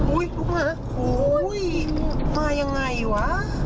โอ้ยลูกหมาโอ้ยมายังไงหวะ